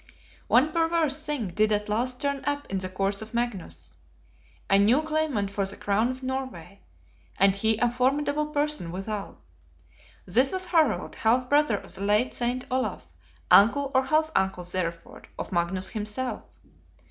One perverse thing did at last turn up in the course of Magnus: a new Claimant for the Crown of Norway, and he a formidable person withal. This was Harald, half brother of the late Saint Olaf; uncle or half uncle, therefore, of Magnus himself.